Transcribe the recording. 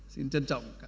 xin trân trọng